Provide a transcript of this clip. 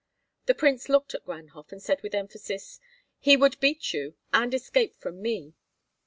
The prince looked at Ganhoff, and said with emphasis, "He would beat you and escape from me."